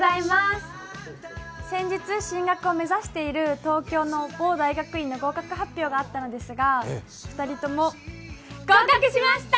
先日、進学を目指している東京の某大学院の合格発表があったんですが、２人とも合格しました！